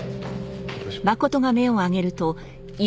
行きましょう。